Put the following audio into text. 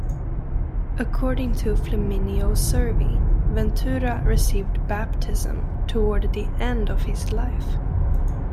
According to Flaminio Servi, Ventura received baptism toward the end of his life.